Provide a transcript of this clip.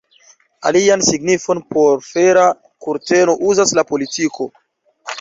Alian signifon por fera kurteno uzas la politiko.